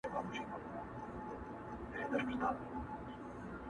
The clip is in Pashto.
بابولاره وروره راسه تې لار باسه